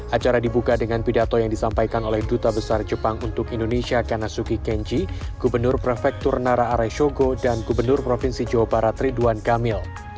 acara dibuka dengan pidato yang disampaikan oleh duta besar jepang untuk indonesia kanasuki kenji gubernur prefektur nara araisyogo dan gubernur provinsi jawa barat ridwan kamil